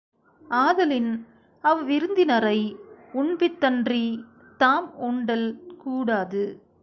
ஆதலின், அவ்விருந்தினரை உண்பித்தன்றித் தாம் உண்டல் கூடாது.